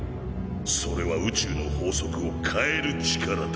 それは宇宙の法則を変える力だ。